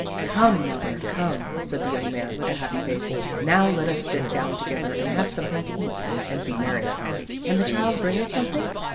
"Come, Mother, come," said the yoimg man, with a happy face, "now let us sit down together and have something to eat, and be merry. Can the child bring us something?"